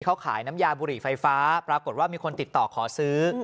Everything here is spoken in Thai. เขาขายน้ำยาบุหรี่ไฟฟ้าปรากฏว่ามีคนติดต่อขอซื้อ